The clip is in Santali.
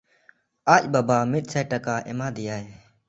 ᱟᱡ ᱵᱟᱵᱟ ᱢᱤᱫᱥᱟᱭ ᱴᱟᱠᱟ ᱮᱢᱟ ᱫᱮᱭᱟᱭ᱾